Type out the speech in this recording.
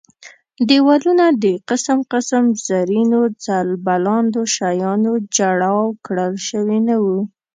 دېوالونه د قسم قسم زرینو ځل بلاندو شیانو جړاو کړل شوي نه وو.